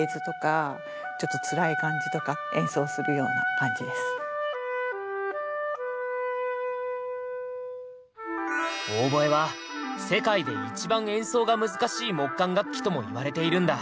ひと言で表すとオーボエは「世界でいちばん演奏が難しい木管楽器」とも言われているんだ。